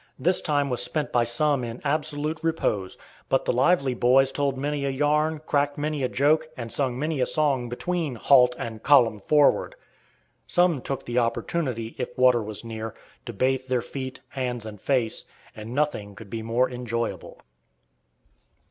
This time was spent by some in absolute repose; but the lively boys told many a yarn, cracked many a joke, and sung many a song between "Halt" and "Column forward!" Some took the opportunity, if water was near, to bathe their feet, hands, and face, and nothing could be more enjoyable.